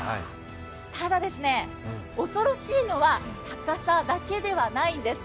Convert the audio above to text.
ただ、恐ろしいのは高さだけではないんです。